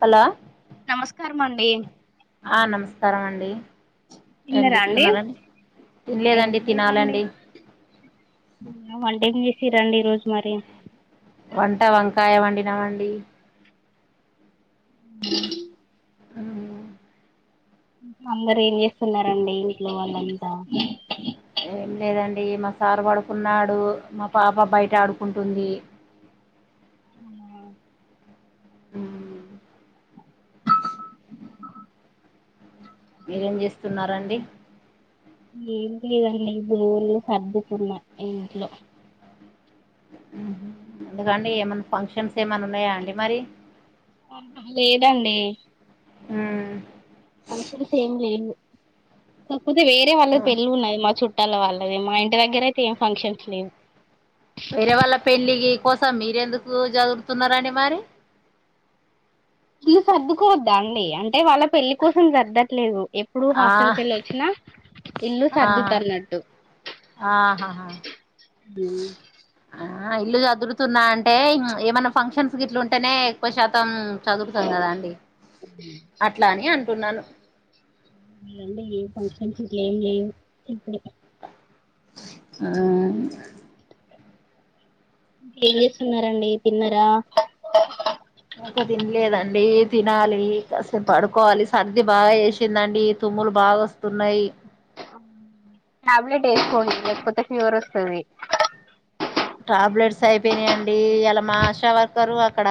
హలా నమస్కారం అండి ఆ నమస్కారం అండి ఏం తిన్నరా అండి చేస్తున్నడి తినలేదండి తినాలండి వంటే చేసి రండి ఈ రోజు మరి వంట వంకాయ వండి నవండి [inaudible] అందరు ఏం చేస్తున్నారండి ఇంట్లో వాళ్ళంతా డి మా సారు పడుకున్నాడు మా పాప బయట ఆడుకుంటుంది [inaudible] మీరేం చేస్తున్నండి అండి ఏం లేదండి రోజలు సర్దుకున్న ఇంట్లో ఎందుకండి ఏమన్నా ఫంక్షన్స్ ఏమన్నా ఉన్నాయా అండి మరి లేదండి ఉమా ఫంక్షన్ సేమ్ లే ఇద్ వేరే వాళ్ళది పెళ్ళలి ఉన్నది మా చుట్టాల వాళ్ళది మా ఇంటి దగ్గర అయితే ఏం ఫంక్షన్స్ లేవు వేరే వాళ్ళ పెళ్ళికి కోసం మీరెందుకు జదుగుతున్నారని మరి [inaudible] తీ సర్దుకోవద్దా అండి అంటే వాళ్ళ పెళ్లిి కోసం సర్ద్దట్లేదు ఎప్పుడు ఆ హాస్టల్ క వెళ్ళ వచ్చినా ఇల్ సర్దు ఆహా తర్న్నట్టు ఆహాహా ఆ ఇల్లు చదురుతున్నా అంటే ఏమైనా ఫంక్షన్స్ గ ఇట్లు ఉంటేనేక్ మొత్తం చదువుతాం ఉమ్ కదా అండి అట్లా అని అంటున్నాను లేదండి ఏ [unintelligible] ఉమా ఏం చేస్తున్నడి తిన్నరా ఇంకా తినలేదండి తినాలి కాసం పడుకోవాలి సర్ది బాగా వేసిందండి తుమ్ములు బాగా వస్తున్నాయి టాబ్లెట్ వేసుకోండి లేకపోతే ఫీవర్ వస్తుంది టాబ్లెట్స్ అయిపోయినాయంండి ఇలా మా ఆశా వర్కరు అక్కడ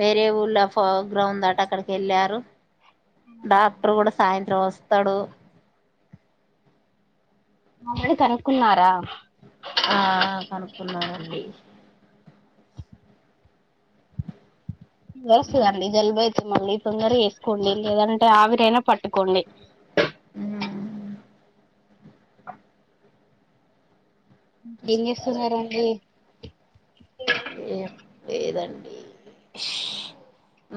వేరే ఊళ్ళ ఫో గ్రౌండ్ అట అక్కడికి వెళ్ళారు డాక్టర్ కూడా సాయంత్రం వస్తాడు మామడు కనుక్కున్నారా ఉన్నానండి వస్తులుండి జలుబాయిత మళ్ళీొంగర వేసుకోండి లేదంటే ఆవిరైనా పట్టుకోండి [inaudible] ఏమీ చేస్తున్నండి ఏ లేదండి [unintelligible]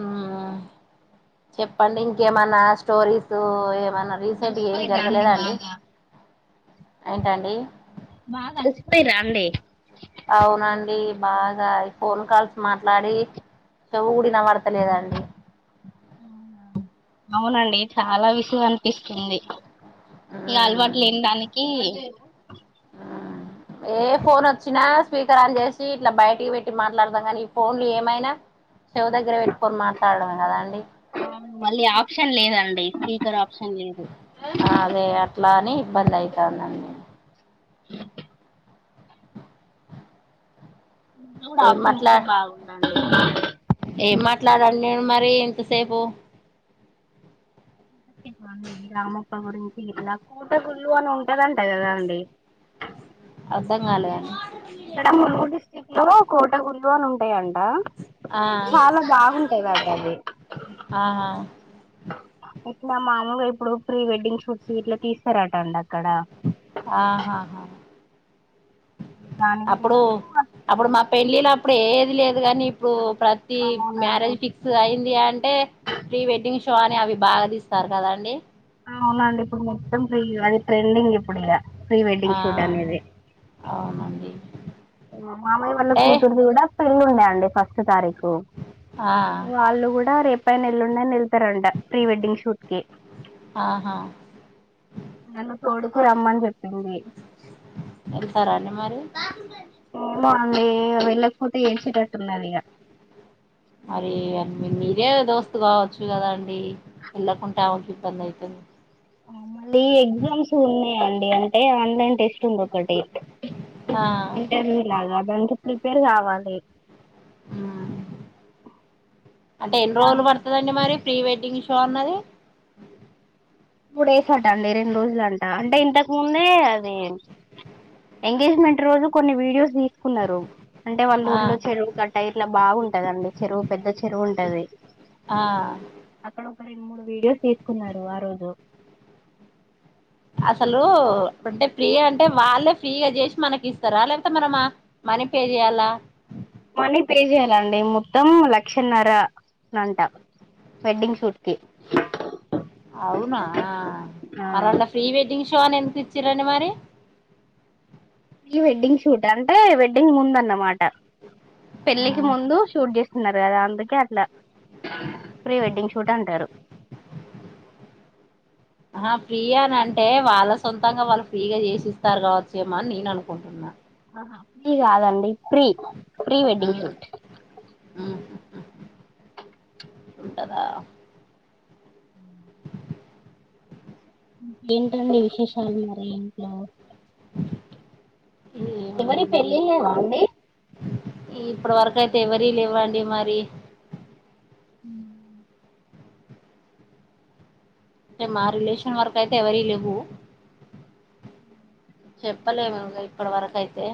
చెప్పండి ఇంకేమన్నా స్టోరీస్ మన రీసెంట్ ఏం జరగలేదా అండి ఏంటండి బాగా అలసిపోయిరా అండి అవునండి బాగా ఫోన్ కాల్స్ మాట్లాడి చెవు కూడా వినపడతలేదండి అవునండి చాలా విసుగు అనిపిస్తుంది ఇక అలవాటు మ్మ్ లేని దానికి మ్మ్ ఏ ఫోన్ వచ్చినా స్పీకర్ ఆన్ చేసి ఇట్లా బయటికి పెట్ మాట్లాడదాం కాని ఈ ఫోన్లు ఏమైనా చెవు దగ్గర పెట్టుకొని మాట్లాడం కదా అండి మళ్ళీ ఆప్షన్ లేదండి స్పీకర్ ఆప్ అదే అట్లా అని ఇబ్బంది అయితాందండి కూడా ఏం ఆప్షన్ మాట్లా ఇస్తే బాగుందండి ఏం మాట్లాడాను నేను మరి ఇంతసేపు [unintelligible] రామప్ప గురించి ఇలా కూటకుల్లు అని ఉంటదంట కదాండి అర్థం కాలేదండి ఇక్కడ ములుగరు డిస్టిక్ట్ లో కోట గున్లు అని ఉంటాయండి ఆ ఆ చాలా బాగుంటాయి వాటి అది ఆహా ఇట్లా మాములగా ఇప్పుడు ప్రీ వెడ్డింగ్ షూట్స్ ఇట్లా తీస్తారట అంట ఆహా దాని అప్పుడు గురించి అప్పుడు మా పెళ్ళిలు అప్పుడు ఏది లేదు కానీ ఇప్పుడు ప్రతి అవునండి మ్యారేజ్ ఫిక్స్ అయింది అంటే ప్రీ వెడ్డింగ్ అని అవి బాగా తీస్తారు కదా అండి అవును అండి ఇప్పుడు మొత్తం ఫ్రీ అది ట్రెండింగ్ ఇప్పుడు ఇగ ప్రీ ఆ వెడ్డింగ్ సూట్ అనేది అవునండి మామయ వల్ల అంటే కూతురుది కూడా పెళ్ళి ఉండే అండి ఫస్ట్ తారీఖ ఉ ఆ వాళ్ళు కూడా రేపాయిన ఎల్లుండయిన తరండ ఫ్రీ వెడ్డింగ్ షూట్ కి ఆహా రమ్మని చెప్ వెళ్తారా అండి మరి ఉమ్ అండి వెళ్ళకపోతే ఏడ్చేటట్టున్నది ఇగ మరి మీరే దోస్తు కావచ్చు కదా అండి వెళ్ళకుంటామకి ఇబ్బంది అవుతుంది మళ్ళీ ఎగ్జామ్స్ ఉన్నాయండి అంటే ఆన్లైన్ టెస్ట్ ఉంది ఒకటి ఆ ఇంటర్వ్యూ లాగా దానికి ప్రిపేర్ కావాలి ఉ అంటే ఎన్ని రోజులు దానికి పడుతదండి మరి ప్రీ వెడ్డింగ్ షో అన్నది మూ డేస్ అట్టండి రెండు రోజులంట అంటే ఇంతకు ముందే అది ఎంగేజ్మెంట్ రోజు కొన్ని వీడియోస్ తీసుకున్నారు అంటే వాళ్ళ ఆ ఊర్లో చెరువు గట్టా ఇట్లా బాగుంటదండి చెరువు పెద్ద చెరువు ఉంటది ఆ అక్కడ ఒక రెండు మూడు వీడియోస్ తీసుకున్నారు ఆ రోజు అసలు అంటే ఫ్రీ అంటే వాళ్ళే ఫ్రీగా చేసి మనకి ఇస్తారా లేపోతే మనమా మనీ పే చేయాలా మనీ పే చేయ్యాలండి మొత్తం లక్షన్నర అంట వెడ్డింగ్ షూట్ కి అవునా ఆ మరళ ప్రీ వెడ్డింగ్ షో అని ఎన్ తెచ్చిరండి మరి ప్రీ వెడ్డింగ్ షూట్ అంటే వెడ్డింగ్ ముందు అన్నమాట పెళ్ళికి ముందు షూట్ చేస్ న్నారు కదా అందుకే అట్లా ప్రీ వెడ్డింగ్ షూట్ అంటారు ఆ ఫ్రీయా అని అంటే వాళ్ళ సొంతంగా వాళ్ళు ఫ్రీగా చేసిస్తారు కావచ్చు ఏమో అని నేను అనుకుంటున్నా అహా ఫ్రీ కాదండి pre pre wedding um, shoot um, ఉంటదా ఏంటండి విశేషాలు మరి ఇంట్లో ఎవరి పెళ్ళి అండి ఇప్పడు వరకు అయితే ఎవరి లేవ్వండి మరి ఉ అంటే మా రిలేషన్ వరకు అయితే ఎవర లేవు చెప్పలేము ఇ ఇప్పటి వరక అయితే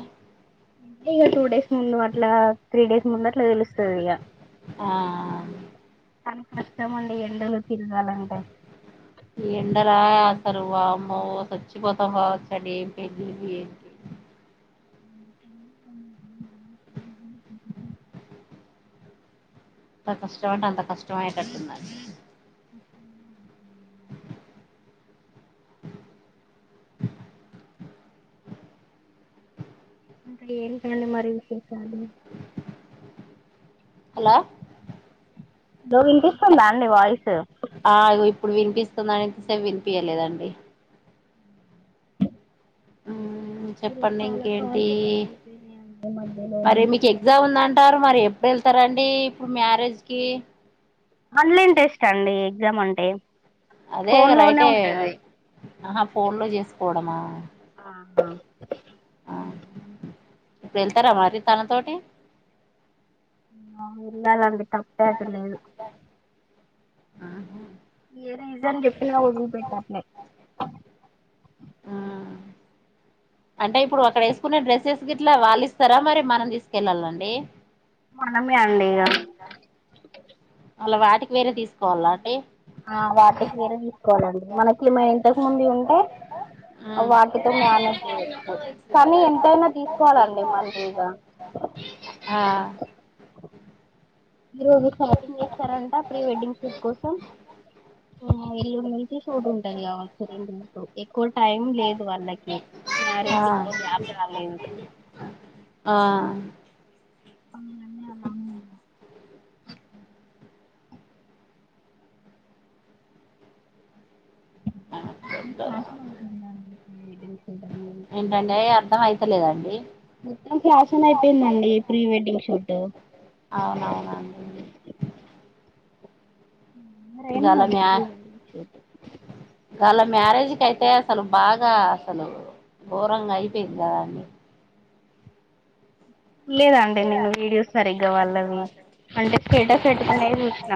ఇక టూ డేస్ ముందు అట్లా త్రీ డేస్ ముందు అట్లా తెలుస్తుంది ఇక ఆ చాల కష్టమండి ఎండలు తిరగాలంటే సారువా అమ్మ స్చ్చిపోసాం కావచ్చ అడి ఏం పెలివి ఏంటి ఎంత కష్టమంట అంత కష్టమ కట్టంద [unintelligible] [inaudible] అకడ ఏందు క అంత మరి విశేష అదు హలో రో ఇంత ఇస్తుందా అండి వాయిస్ స్తు ఇసే వినిపిచలేదండి ఆ చెప్పండి ఇంకేంటి మరి మీకు ఎగ్జామ్ ఉందంటారు మరి ఇప్పుడు వెళ్తారండి ఇప్పుడు మ్యారేజ్కి ఆన్లైన్ టెస్ట్ అండి ఎగ్జామ్ అంటే అదే ఫోన్ లోనే రైటే ఉంటది ఆహా ఫోన్లు చేసుకోవడమా ఆ ఇప్పుడు వెళ్తారా మరి తనతోటి ఆ వెళ్ళాలండి తప్పే అది లేదు ఆహా ఏ నిజా ఎప్పటి ఊపోయిారులే అంటే ఇప్పుడు అక్కడ వేసుకునే డ్రెస్సెస్ గ ఇట్లా వాళ్ళు ఇస్తారా మరి మనం తీసుకెళ్ళాలండి మనమే అండిక ఈగ అళ్లా వాటికి వేరే తీసుకోవాల అండి ఆ వాటి చీరే తీసుకోవాలండి మనకి మ ఇంతకు ముందు ఉంటే వాటితో ఉమా మేనేజ్ చేయొచ్చు కానీ ఎంతైనా తీసుకోవాలండి మళ్ళీ ఇగ ఆ మీరుజు షాపింగ్ చేస్తారంట ప్రీ వెడ్డింగ్ షూట్ కోసంల్ నుంచి చూంటాయి కావచ్చ రెందు ఎక్కువ టైం లేదు వాళ్ళకి ఆ మారేజి [inaudible] ఆ [inaudible] [inaudible] ఏంటంటే అర్థం అయితలేదండి మొత్తం ఫ్యాషన్ అయిపోయిందండి ప్రీ వెడ్డింగ్ షూట్ [unintelligible] మర ఏనా ఇవాళ అద వాళ్ళ మ్యారేజ్కి అయితే అసలు బాగా అసలు ఘోరంగా అయిపోయింది కదా అండి లేదండి [inaudible] నేను వీడియోస్ సరిగ్గా వాళ్ళవి అంటే స్టేటస్ పెట్టుకునేవి చూసిన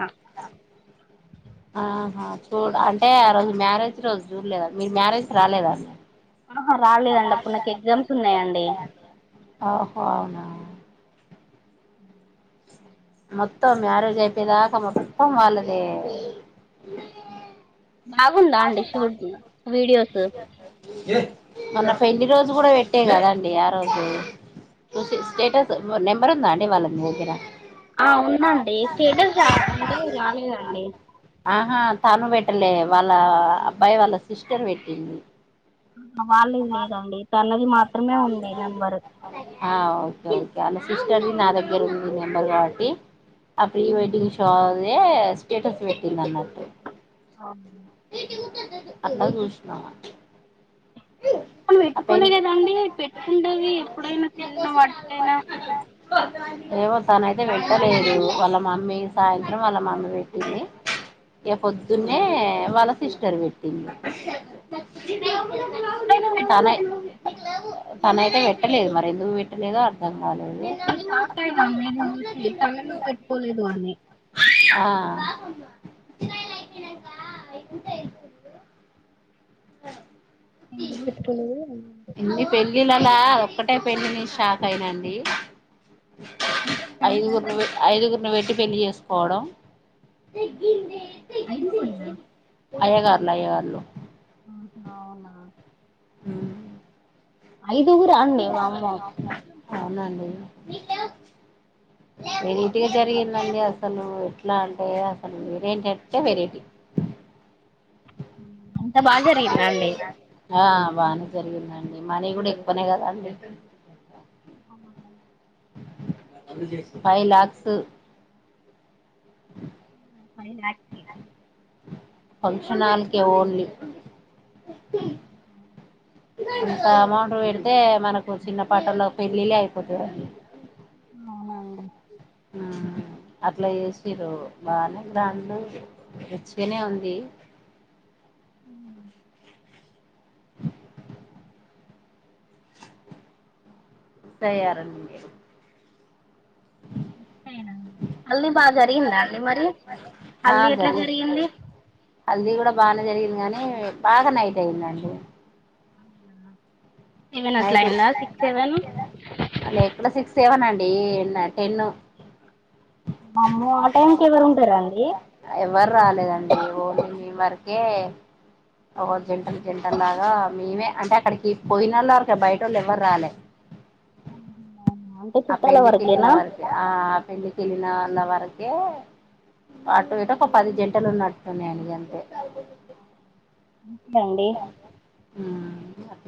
ఆహా చూడు అంటే ఆ రోజు మ్యారేజ్ రోజు చూడలేదా మీరు మ్యారేజ్ రాలేదాన్న ఆహా రాలేదండి అప్పుడు నాకు ఎగ్జామ్స్ ఉన్నాయంండి ఓహో అవునా [inaudible] మొత్తం మ్యారేజ్ అయిపోయాయి దాక మొతం వాళ్ళదే [inaudible] బాగుందా అండి షూట్ వీడియోస్ [unintelligible] పెళ్లి రోజు కూడా పెట్టే కదండి ఆ రోజు స్టేటస్ నెంబర్ ఉందాండి వాళ్ళది మీ దగ్గరా ఆ ఉందండి స్టేటస్ రా అంటే రాలేదండి ఆహా తను పెట్టలే వాళ్ళ అబ్బాయి వాళ్ళ సిస్టర్ పెట్టింది వాళ్ళది లేదండి తనది మాత్రమే ఉంది నెంబరు ఆ వ్ ఓకే ఓకే ఆలా సిస్టర్ది నా దగ్గర ఉంది నెంబర్ కాబట్టి, ఆ ప్రీ వెడ్డింగ్ షోది దే స్టేటస్ పెట్టింది అన్నట్టు అవునా అట్ల చూసిన వాళ్ళు పెట్టుకోలే కదండి పెట్టుకుండేది ఎప్పుడైనా చిన్న చిన్న వాటికైనా, [unintelligible] ఏమో తనైతే పెట్టలేదు వాళ్ళ మమ్మీ సాయంత్రం వాళ్ళ మమ్మీ పెట్టింది. ఇగ పొద్దున్నే వాళ్ళ సిస్టర్ పెట్టింది. తనే తనైతే పెట్ ట్టలేదు మరి ఎందుకు పెట్టలేదో అర్థం కాలేదు [unintelligible] పెట్టుకోలేదు ఆమె [unintelligible] [unintelligible] ఎందుకు పెట్టుకోలేదో ఏమో ఇట్లా ఒక్కటే పెళ్లి చూసి షాక్ అయినండి ఐదుగుర్ని పె ఐదుగురిని పెట్టి పెళ్లి చేసు పోవడం ఐదుగురిన అయ్యగారులు ఆహా అవునా ఐదుగురా అండి వామ్మో అవునండి వెరైటిగా జరిగిందండి అసలు ఎట్లా అంటే అసలు వెరైటి అంటే వెరైటి [unintelligible] అంత బాగా జరిగిం ఆ బానే జరిగిందండి, మనీ కూడా ఎక్కువనే కదండి. అవునా ఫైవ్ లాక్స్ పైవ్ లాక్సే ఫంక్షణాల్కే ఓన్లీ ఇంత అమౌంట్ పెడితే మనకు చిన్న పటల్లో పెళ్ళిల్లే అయిపోతాయండి అవునా ఆ అట్లా చేసిర్రు బానే గ్రాండు రిచ్గనే ఉంది. [unintelligible] తయారండి టయినా హల్ది బాగా జరిగిందా అండీ మరి, హల్దీ ఎట్లా జరిగింది? ది కూడా బాగానే జరిగింది గాని బాగా నైట్ అయిందండి. అవునా నైట్ లేక్కడ సిక్స్ సెవెన్ అండ్ డి ఏన్న టెన్ వామ్మో ఆ టైంకి ఎవరు ఉంటారండి ఎవ్వరు రాలేదండి ఒన్లీ మీమ్ వరకే ఓ జంటలు జంటలు లాగా మేమే అంటే అక్కడికి పోయినోళ్ళార్ క బయటోళ్ళు ఎవ్వరు రాలే ఆహా ఆ పెళ్లి కి వెళ్లిన వరకే ఆ పెళ్లి కి వెళ్లిన వాళ్ల వరకే అటు ఇటు ఒక పది జంటలు ఉన్నట్టున్నాయన అంతే అవునా అండి ఉ.. అ పి